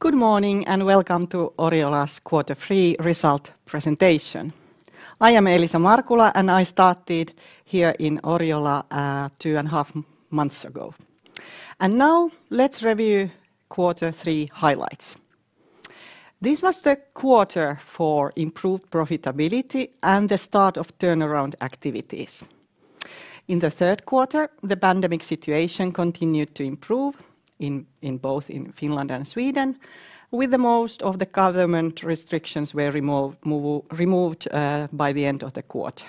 Good morning and welcome to Oriola's quarter three result presentation. I am Elisa Markula, and I started here in Oriola two and a half months ago. Now let's review quarter three highlights. This was the quarter for improved profitability and the start of turnaround activities. In the third quarter, the pandemic situation continued to improve in both in Finland and Sweden, with most of the government restrictions removed by the end of the quarter.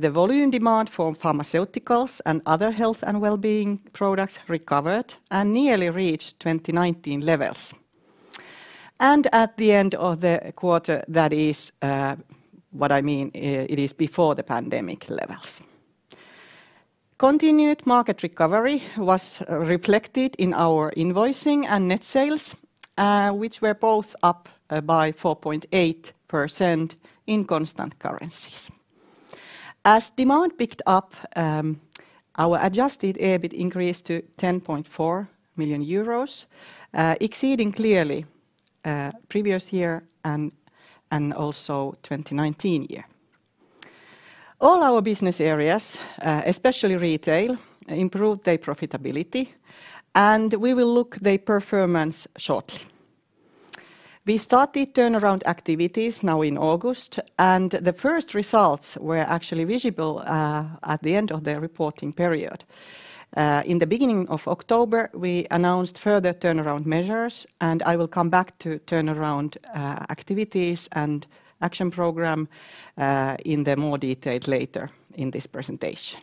The volume demand for pharmaceuticals and other health and well-being products recovered and nearly reached 2019 levels. At the end of the quarter, that is what I mean, it is before the pandemic levels. Continued market recovery was reflected in our invoicing and net sales, which were both up by 4.8% in constant currencies. As demand picked up, our adjusted EBIT increased to 10.4 million euros, exceeding clearly previous year and also 2019 year. All our business areas, especially retail, improved their profitability, and we will look at their performance shortly. We started turnaround activities now in August, and the first results were actually visible at the end of the reporting period. In the beginning of October, we announced further turnaround measures, and I will come back to turnaround activities and action program in more detail later in this presentation.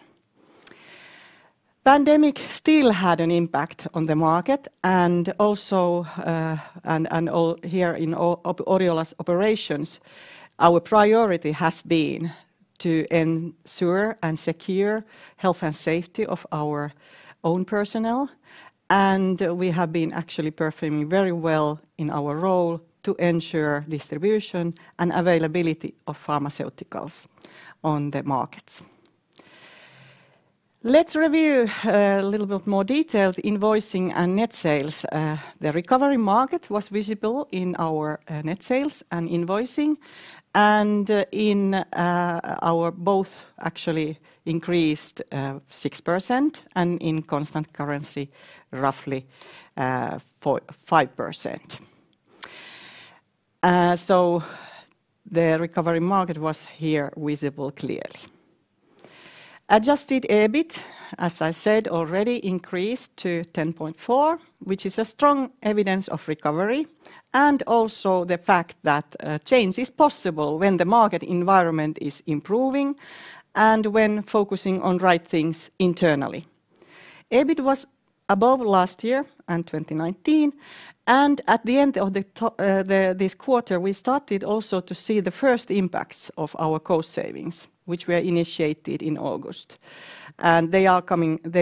Pandemic still had an impact on the market and also all here in Oriola's operations. Our priority has been to ensure and secure health and safety of our own personnel, and we have been actually performing very well in our role to ensure distribution and availability of pharmaceuticals on the markets. Let's review a little bit more detailed invoicing and net sales. The market recovery was visible in our net sales and invoicing, and both actually increased 6% and in constant currency, roughly, 4%-5%. So the market recovery was here visible clearly. Adjusted EBIT, as I said already, increased to 10.4 million, which is a strong evidence of recovery and also the fact that change is possible when the market environment is improving and when focusing on right things internally. EBIT was above last year and 2019, and at the end of this quarter, we started also to see the first impacts of our cost savings, which were initiated in August. They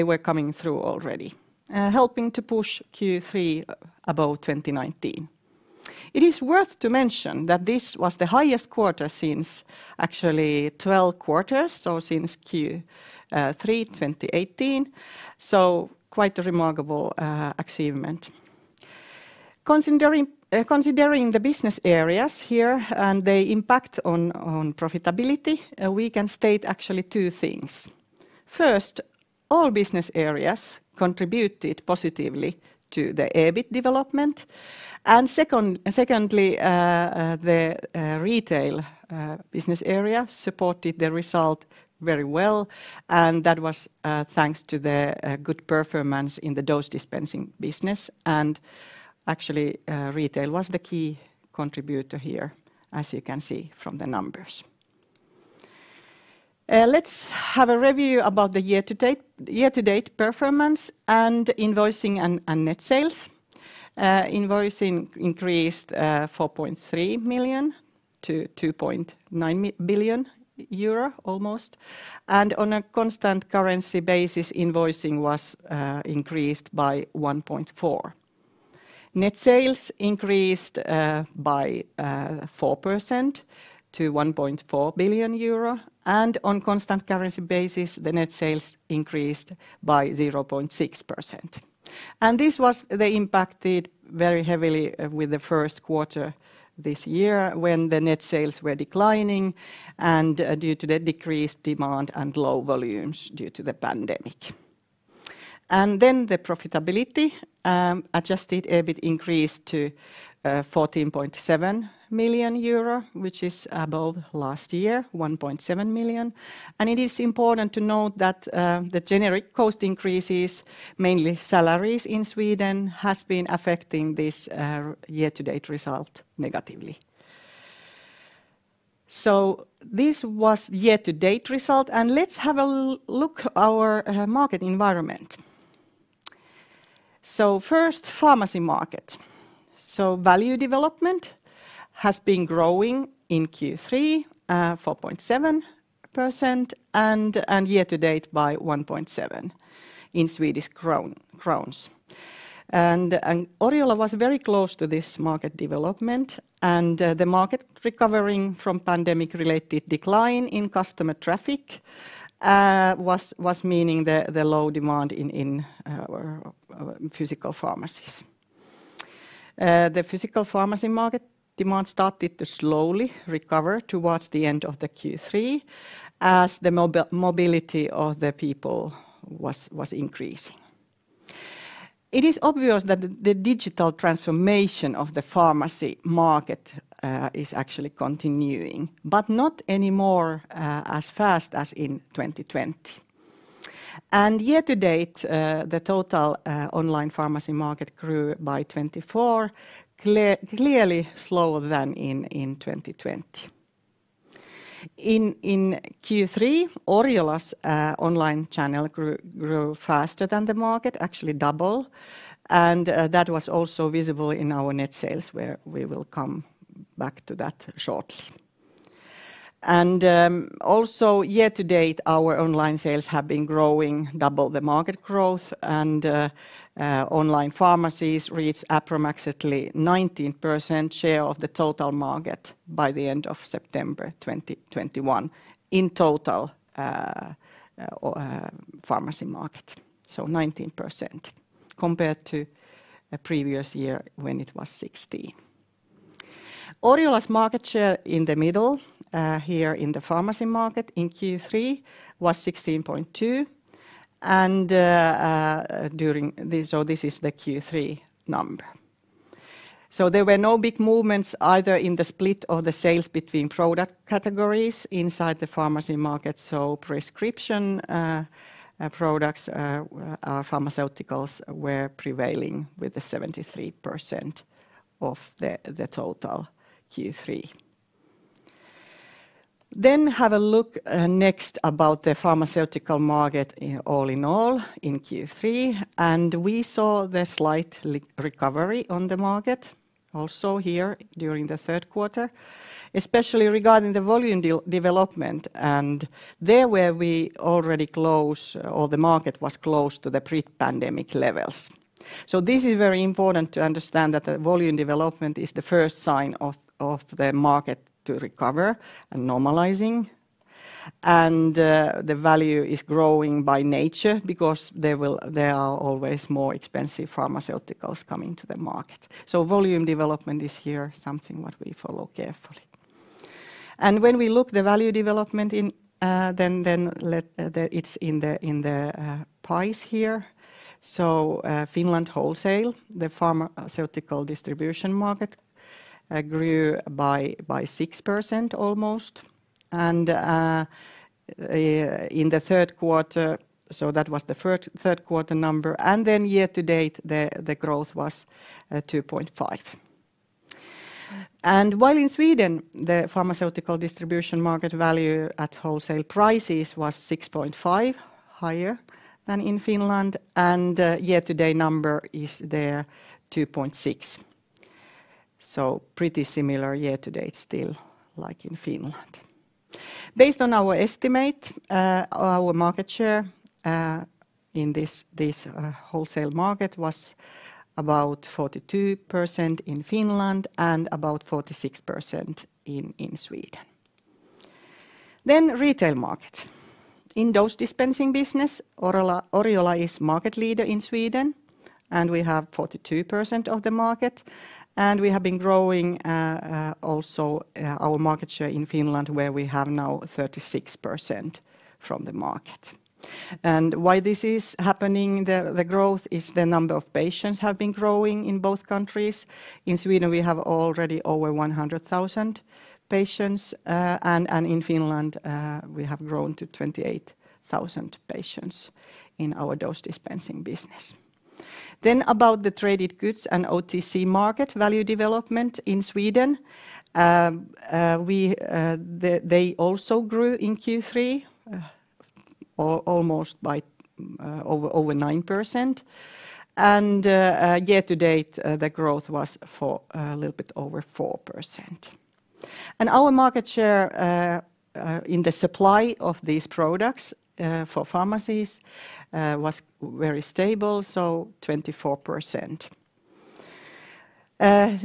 were coming through already, helping to push Q3 above 2019. It is worth to mention that this was the highest quarter since actually 12 quarters, so since Q3 2018, so quite a remarkable achievement. Considering the business areas here and the impact on profitability, we can state actually two things. First, all business areas contributed positively to the EBIT development. Second, the retail business area supported the result very well, and that was thanks to the good performance in the dose dispensing business. Actually, retail was the key contributor here, as you can see from the numbers. Let's have a review about the year to date performance and invoicing and net sales. Invoicing increased 4.3 million to almost 2.9 billion euro. On a constant currency basis, invoicing was increased by 1.4%. Net sales increased by 4% to 1.4 billion euro, and on constant currency basis, the net sales increased by 0.6%. This was impacted very heavily by the first quarter this year when the net sales were declining and due to the decreased demand and low volumes due to the pandemic. The profitability, adjusted EBIT increased to 14.7 million euro, which is above last year, 1.7 million. It is important to note that the generic cost increases, mainly salaries in Sweden, has been affecting this year-to-date result negatively. This was year to date result, and let's have a look at our market environment. First, pharmacy market. Value development has been growing in Q3 4.7% and year-to-date by 1.7% in Swedish kronor. Oriola was very close to this market development, and the market recovering from pandemic-related decline in customer traffic was meaning the low demand in physical pharmacies. The physical pharmacy market demand started to slowly recover towards the end of the Q3 as the mobility of the people was increasing. It is obvious that the digital transformation of the pharmacy market is actually continuing, but not anymore as fast as in 2020. Year to date, the total online pharmacy market grew by 24%, clearly slower than in 2020. In Q3, Oriola's online channel grew faster than the market, actually double, and that was also visible in our net sales, where we will come back to that shortly. also year to date, our online sales have been growing double the market growth and online pharmacies reached approximately 19% share of the total market by the end of September 2021 in total pharmacy market. 19% compared to a previous year when it was 16. Oriola's market share in the middle here in the pharmacy market in Q3 was 16.2 and this is the Q3 number. there were no big movements either in the split or the sales between product categories inside the pharmacy market, so prescription products pharmaceuticals were prevailing with the 73% of the total Q3. Have a look next about the pharmaceutical market in all in Q3, and we saw the slight recovery on the market also here during the third quarter, especially regarding the volume development and the market was close to the pre-pandemic levels. This is very important to understand that the volume development is the first sign of the market to recover and normalizing, and the value is growing by nature because there are always more expensive pharmaceuticals coming to the market. Volume development is here something what we follow carefully. When we look the value development in, then the it's in the price here. In Finland, the wholesale pharmaceutical distribution market grew by almost 6% in the third quarter, so that was the third quarter number, and then year to date, the growth was 2.5. While in Sweden, the pharmaceutical distribution market value at wholesale prices was 6.5% higher than in Finland and year-to-date number is there 2.6%. Pretty similar year-to-date still like in Finland. Based on our estimate, our market share in this wholesale market was about 42% in Finland and about 46% in Sweden. Then retail market. In dose dispensing business, Oriola is market leader in Sweden, and we have 42% of the market, and we have been growing also our market share in Finland where we have now 36% from the market. Why this is happening, the growth is the number of patients have been growing in both countries. In Sweden, we have already over 100,000 patients, and in Finland we have grown to 28,000 patients in our dose dispensing business. About the traded goods and OTC market value development in Sweden, they also grew in Q3 almost by over 9%, and year-to-date the growth was for a little bit over 4%. Our market share in the supply of these products for pharmacies was very stable, so 24%.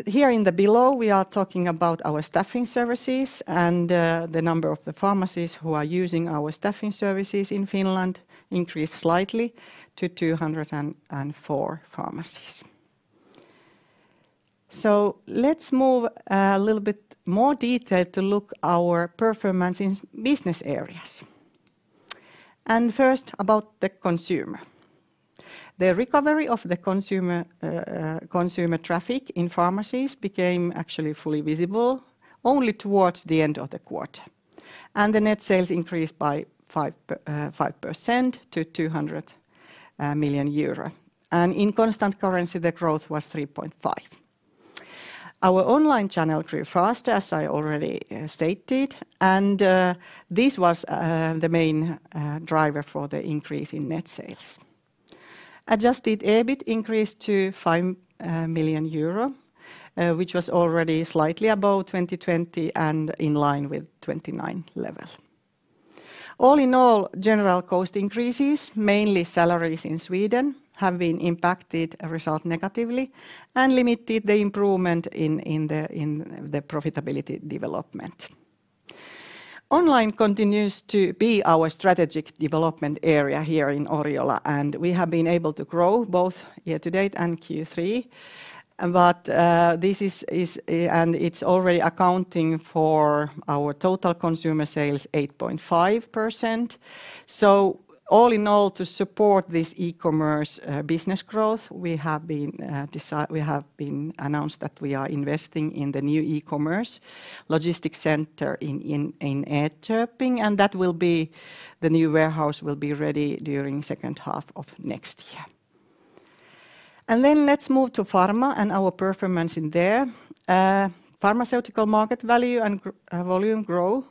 Here below, we are talking about our staffing services and the number of the pharmacies who are using our staffing services in Finland increased slightly to 204 pharmacies. Let's move a little bit more detail to look our performance in business areas. First, about the consumer. The recovery of the consumer consumer traffic in pharmacies became actually fully visible only towards the end of the quarter. The net sales increased by 5% to 200 million euro. In constant currency, the growth was 3.5%. Our online channel grew faster as I already stated, and this was the main driver for the increase in net sales. Adjusted EBIT increased to 5 million euro, which was already slightly above 2020 and in line with 2019 level. All in all, general cost increases, mainly salaries in Sweden, have impacted the result negatively and limited the improvement in the profitability development. Online continues to be our strategic development area here in Oriola, and we have been able to grow both year to date and Q3. This is, and it's already accounting for our total consumer sales 8.5%. All in all, to support this e-commerce business growth, we have announced that we are investing in the new e-commerce logistics center in Enköping, and the new warehouse will be ready during second half of next year. Then let's move to pharma and our performance in there. Pharmaceutical market value and volume grow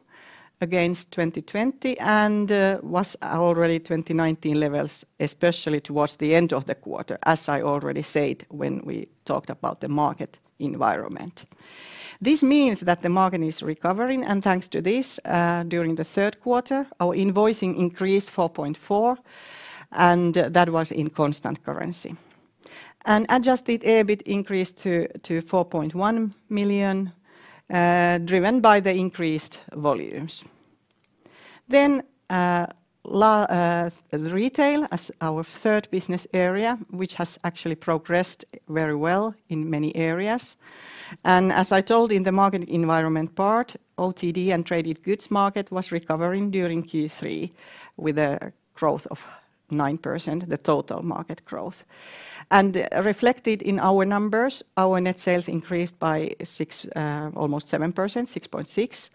against 2020 and was already 2019 levels, especially towards the end of the quarter, as I already said when we talked about the market environment. This means that the market is recovering, and thanks to this, during the third quarter, our invoicing increased 4.4% in constant currency. Adjusted EBIT increased to 4.1 million, driven by the increased volumes. Retail as our third business area, which has actually progressed very well in many areas. As I told in the market environment part, OTC and traded goods market was recovering during Q3 with a growth of 9%, the total market growth. Reflected in our numbers, our net sales increased by almost 7%, 6.6%,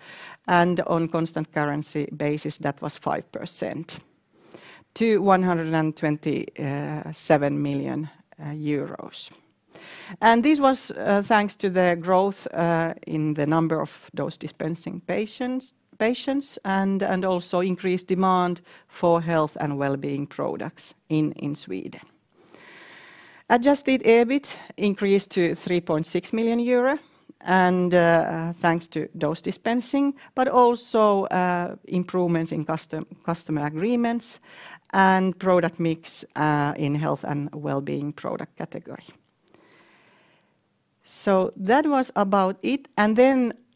and on constant currency basis, that was 5% to 127 million euros. This was thanks to the growth in the number of dose dispensing patients and also increased demand for health and well-being products in Sweden. Adjusted EBIT increased to 3.6 million euro, and thanks to dose dispensing, but also improvements in customer agreements and product mix in health and well-being product category. That was about it, and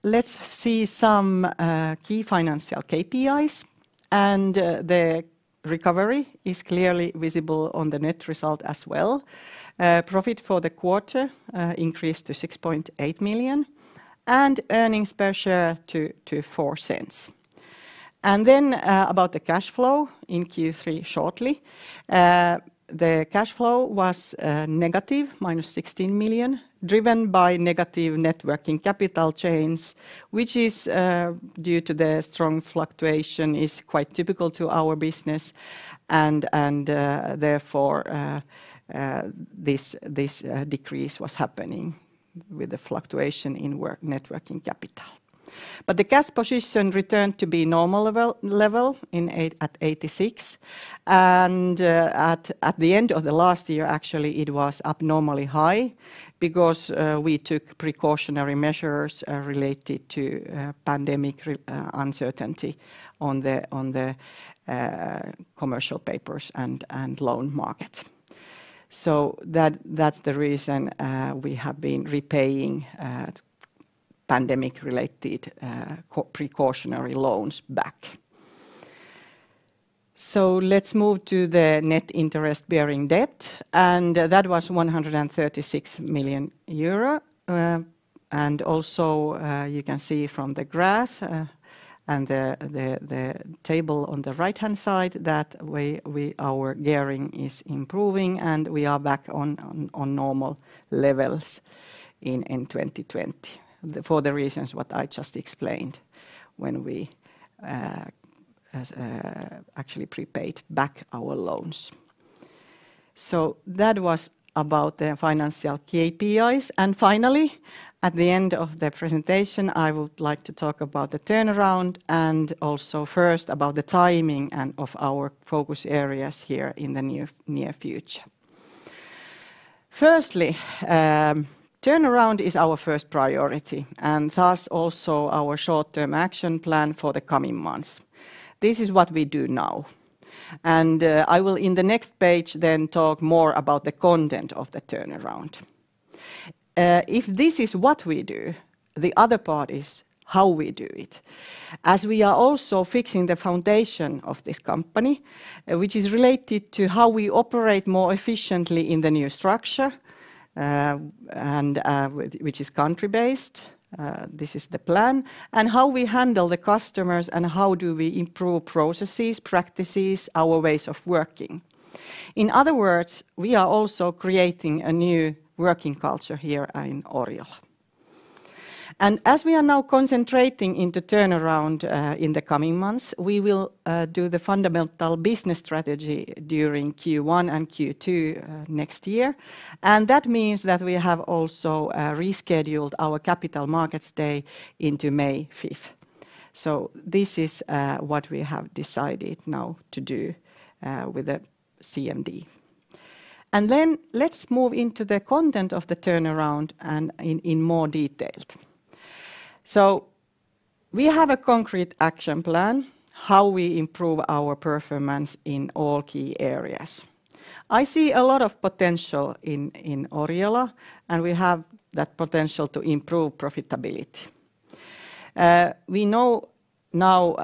then let's see some key financial KPIs, and the recovery is clearly visible on the net result as well. Profit for the quarter increased to 6.8 million, and earnings per share to 0.04. About the cash flow in Q3 shortly. The cash flow was -16 million, driven by negative net working capital changes, which is due to the strong fluctuation, is quite typical to our business and therefore this decrease was happening with the fluctuation in net working capital. The cash position returned to be normal level at 86, and at the end of the last year, actually, it was abnormally high because we took precautionary measures related to pandemic uncertainty on the commercial papers and loan market. That's the reason we have been repaying pandemic-related precautionary loans back. Let's move to the net interest-bearing debt, and that was 136 million euro. And also, you can see from the graph and the table on the right-hand side that our gearing is improving, and we are back on normal levels in 2020 for the reasons what I just explained when we actually prepaid back our loans. That was about the financial KPIs. Finally, at the end of the presentation, I would like to talk about the turnaround and also first about the timing and of our focus areas here in the near future. Firstly, turnaround is our first priority and thus also our short-term action plan for the coming months. This is what we do now. I will in the next page then talk more about the content of the turnaround. If this is what we do, the other part is how we do it. As we are also fixing the foundation of this company, which is related to how we operate more efficiently in the new structure, and, which is country-based, this is the plan, and how we handle the customers, and how do we improve processes, practices, our ways of working. In other words, we are also creating a new working culture here in Oriola. As we are now concentrating into turnaround, in the coming months, we will do the fundamental business strategy during Q1 and Q2 next year. That means that we have also rescheduled our Capital Markets Day into May 5th. This is what we have decided now to do with the CMD. Then let's move into the content of the turnaround and in more detail. We have a concrete action plan, how we improve our performance in all key areas. I see a lot of potential in Oriola, and we have that potential to improve profitability. We know now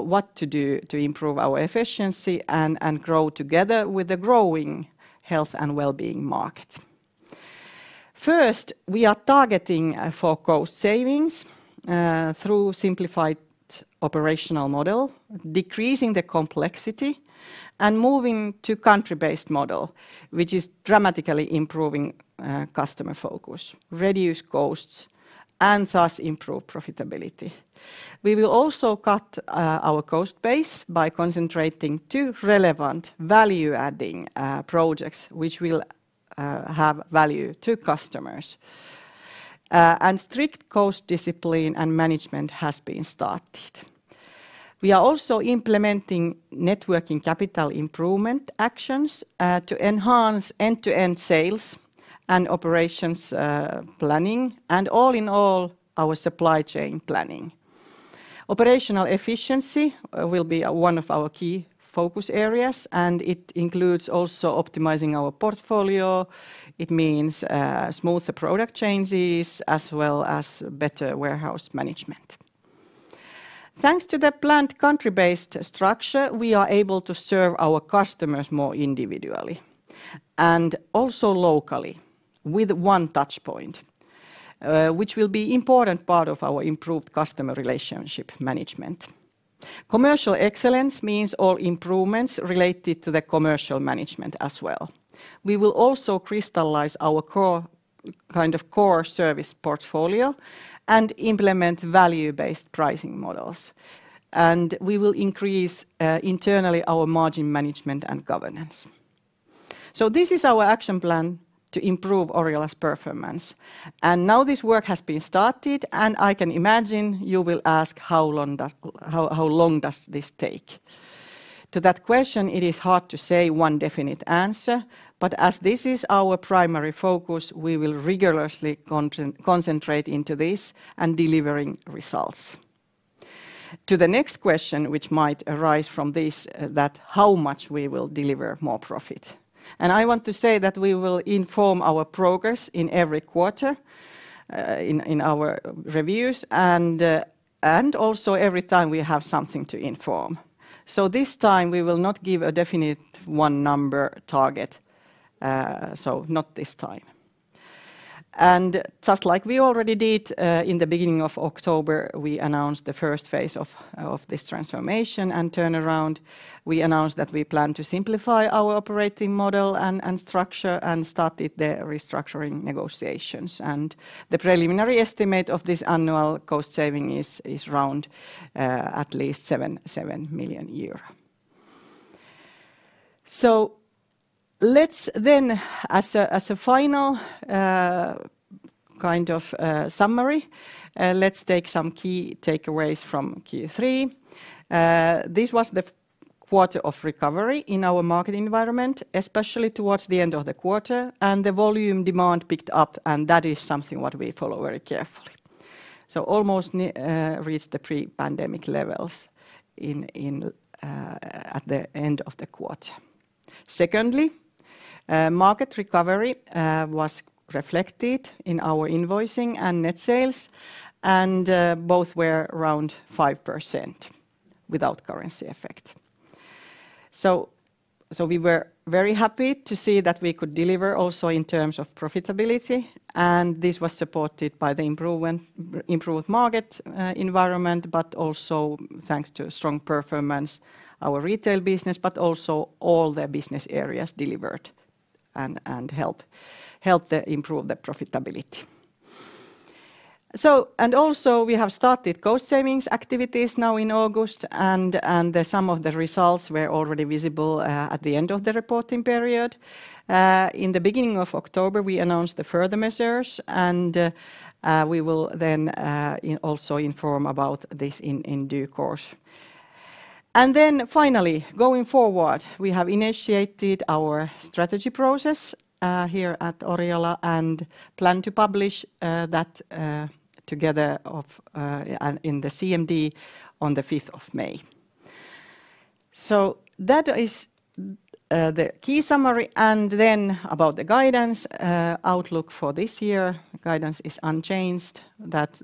what to do to improve our efficiency and grow together with the growing health and wellbeing market. First, we are targeting for cost savings through simplified operational model, decreasing the complexity and moving to country-based model, which is dramatically improving customer focus, reduce costs, and thus improve profitability. We will also cut our cost base by concentrating two relevant value-adding projects which will have value to customers. Strict cost discipline and management has been started. We are also implementing net working capital improvement actions to enhance end-to-end sales and operations planning and all in all our supply chain planning. Operational efficiency will be one of our key focus areas, and it includes also optimizing our portfolio. It means smoother product changes as well as better warehouse management. Thanks to the planned country-based structure, we are able to serve our customers more individually and also locally with one touch point, which will be important part of our improved customer relationship management. Commercial excellence means all improvements related to the commercial management as well. We will also crystallize our core, kind of core service portfolio and implement value-based pricing models. We will increase internally our margin management and governance. This is our action plan to improve Oriola's performance. Now this work has been started, and I can imagine you will ask how long does this take? To that question, it is hard to say one definite answer, but as this is our primary focus, we will rigorously concentrate on this and delivering results. To the next question which might arise from this, that how much we will deliver more profit. I want to say that we will inform our progress in every quarter, in our reviews and also every time we have something to inform. This time, we will not give a definite one number target. Not this time. Just like we already did, in the beginning of October, we announced the first phase of this transformation and turnaround. We announced that we plan to simplify our operating model and structure and started the restructuring negotiations. The preliminary estimate of this annual cost saving is around at least EUR 7 million a year. Let's then as a final kind of summary, let's take some key takeaways from Q3. This was the quarter of recovery in our market environment, especially towards the end of the quarter, and the volume demand picked up, and that is something that we follow very carefully almost reached the pre-pandemic levels at the end of the quarter. Secondly, market recovery was reflected in our invoicing and net sales, and both were around 5% without currency effect. We were very happy to see that we could deliver also in terms of profitability, and this was supported by the improved market environment, but also thanks to strong performance in our retail business, but also all the business areas delivered and helped improve the profitability. We have started cost savings activities now in August and some of the results were already visible at the end of the reporting period. In the beginning of October, we announced the further measures, and we will then also inform about this in due course. Finally, going forward, we have initiated our strategy process here at Oriola and plan to publish that together with and in the CMD on the 5th of May. That is the key summary. About the guidance outlook for this year, guidance is unchanged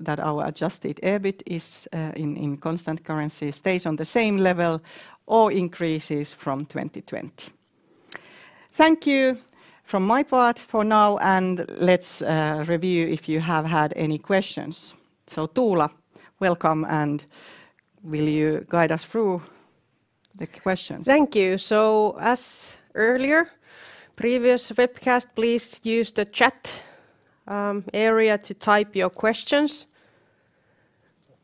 that our adjusted EBIT is in constant currency, stays on the same level or increases from 2020. Thank you from my part for now, and let's review if you have had any questions. Tua, welcome, and will you guide us through the questions? Thank you. As earlier, previous webcast, please use the chat area to type your questions.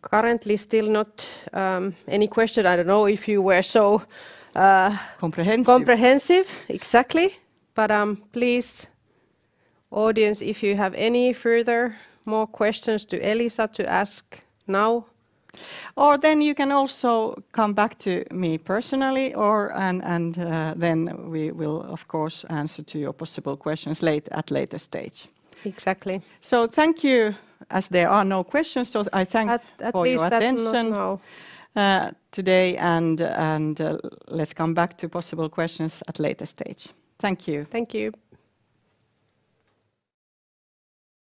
Currently, still not any question. I don't know if you were so. Comprehensive comprehensive. Exactly. Please, audience, if you have any further more questions to Elisa to ask now, or then you can also come back to me personally, or and then we will of course answer to your possible questions later, at later stage. Exactly. Thank you. As there are no questions, I thank you for your attention. At least not now. Today and let's come back to possible questions at later stage. Thank you. Thank you.